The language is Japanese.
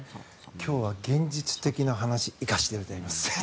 今日は現実的な話を生かしてやります。